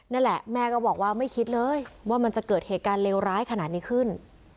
นั่นแหละแม่ก็บอกว่าไม่คิดเลยว่ามันจะเกิดเหตุการณ์เลวร้ายขนาดนี้ขึ้น